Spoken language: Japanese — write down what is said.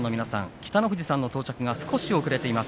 北の富士さんの到着が少し遅れています。